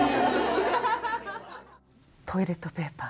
トイレットペーパー